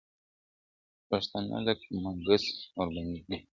پښتانه لکه مګس ورباندي ګرځي!!